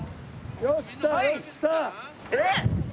えっ？